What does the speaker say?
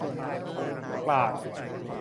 กราก